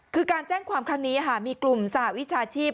คือการแจ้งความครั้งนี้มีกลุ่มสหวิชาชีพ